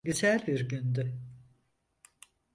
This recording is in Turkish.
Güzel bir gündü.